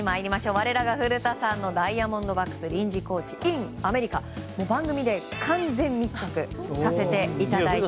我らが古田さんのダイヤモンドバックス臨時コーチイン・アメリカを番組で完全密着させていただいて。